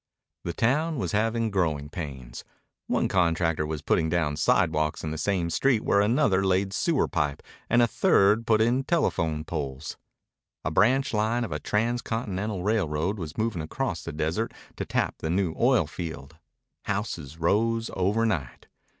The town was having growing pains. One contractor was putting down sidewalks in the same street where another laid sewer pipe and a third put in telephone poles. A branch line of a trans continental railroad was moving across the desert to tap the new oil field. Houses rose overnight.